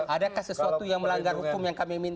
adakah sesuatu yang melanggar hukum yang kami minta